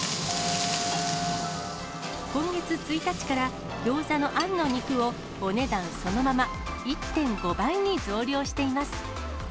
今月１日から、ギョーザのあんの肉を、お値段そのまま、１．５倍に増量しています。